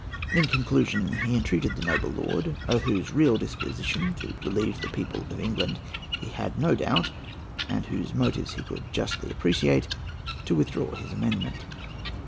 In conclusion, he entreated the noble lord, of whose real disposition to relieve the people of England he had no doubt, and whose motives he could justly appreciate, to withdraw his amendment.